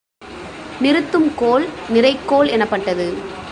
நிறுத்தும் கோல் நிறைக்கோல் எனப்பட்டது.